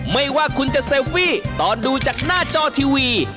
ไม่ว่าคุณจะเซลฟี่ตอนดูจากหน้าจอทีวี